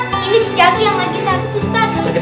ini si jaky yang lagi sakit